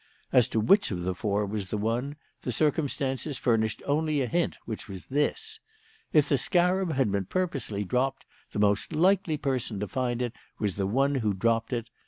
As to which of the four was the one, the circumstances furnished only a hint, which was this: If the scarab had been purposely dropped, the most likely person to find it was the one who dropped it.